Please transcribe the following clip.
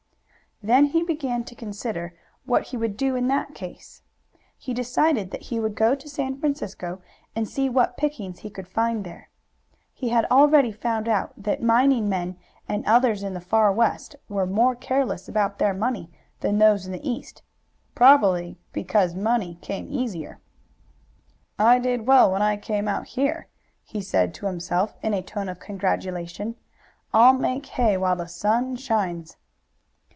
Then he began to consider what he would do in that case. He decided that he would go to San Francisco, and see what pickings he could find there. He had already found out that mining men and others in the far West were more careless about their money than those in the East, probably because money came easier. "I did well when I came out here," he said to himself in a tone of congratulation. "I'll make hay while the sun shines."